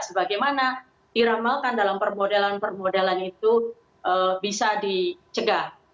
sebagaimana diramalkan dalam permodelan permodelan itu bisa dicegah